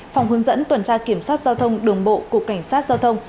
phòng hướng dẫn tuần tra kiểm soát giao thông đường bộ cục cảnh sát giao thông